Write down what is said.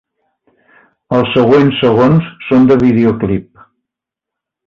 Els següents segons són de videoclip.